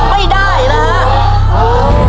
ถูกไม่ถูก